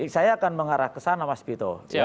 saya akan mengarah ke sana mas bito